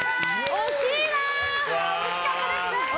惜しかったですね。